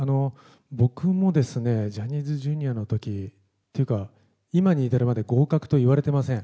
僕もですね、ジャニーズＪｒ．のとき、っていうか、今に至るまで合格と言われてません。